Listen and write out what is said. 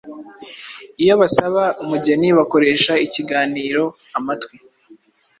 Iyo basaba umugeni bakoresha ikiganiro amatwi.